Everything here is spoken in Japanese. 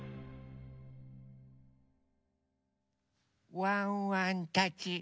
ワンワンたち。